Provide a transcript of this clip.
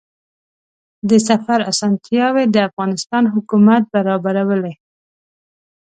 د سفر اسانتیاوې د افغانستان حکومت برابرولې.